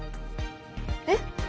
えっ？